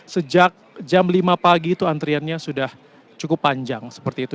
sejak jam lima pagi itu antriannya sudah cukup panjang seperti itu